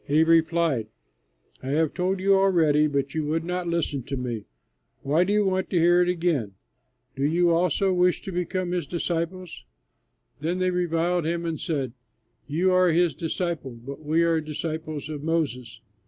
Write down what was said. He replied, "I have told you already, but you would not listen to me. Why do you want to hear it again? Do you also wish to become his disciples?" Then they reviled him and said, "You are his disciple, but we are disciples of Moses.